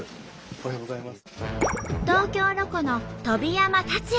おはようございます。